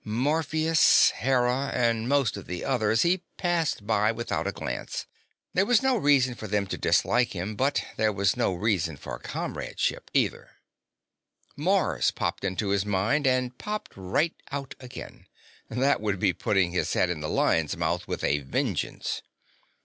Morpheus, Hera, and most of the others he passed by without a glance; there was no reason for them to dislike him, but there was no reason for comradeship, either. Mars popped into his mind, and popped right out again. That would be putting his head in the lion's mouth with a vengeance.